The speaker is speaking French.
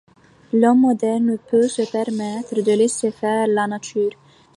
L'Homme moderne ne peut se permettre de laisser faire la nature.